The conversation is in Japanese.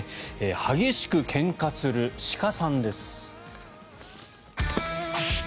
激しくけんかする鹿さんです。